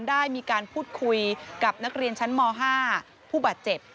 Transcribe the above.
ได้มีการพูดคุยกับนักเรียนชั้นม๕ผู้บาดเจ็บ